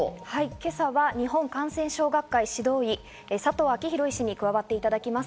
今朝は日本感染症学会・指導医、佐藤昭裕医師に加わっていただきます。